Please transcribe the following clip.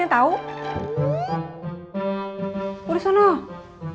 jangan ngelayap jangan kemana mana